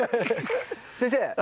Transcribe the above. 先生